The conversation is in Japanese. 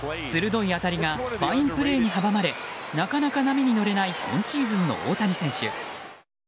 鋭い当たりがファインプレーに阻まれなかなか波に乗れない今シーズンの大谷選手。